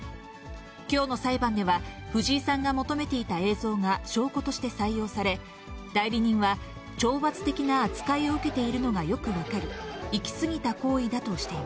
きょうの裁判では、フジイさんが求めていた映像が証拠として採用され、代理人は、懲罰的な扱いを受けているのがよく分かる。